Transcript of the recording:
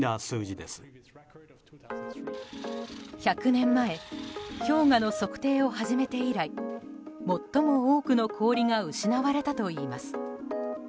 １００年前氷河の測定を始めて以来最も多くの氷が失われたといいます。